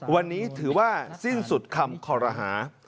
วันนี้ถือว่าสิ้นสุดคำคอรหา